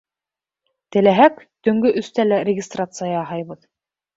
Теләһәк, төнгө өстә лә регистрация яһайбыҙ.